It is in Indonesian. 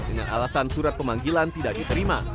dengan alasan surat pemanggilan tidak diterima